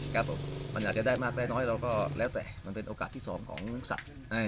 ครับผมมันอาจจะได้มากได้น้อยเราก็แล้วแต่มันเป็นโอกาสที่สองของสัตว์